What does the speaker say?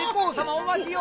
お待ちを！